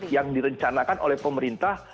yang direncanakan oleh pemerintah